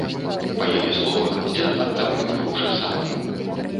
Па яе словах, дзед аддаў ёй грошы сам.